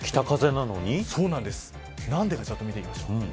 なんでかちょっと見ていきましょう。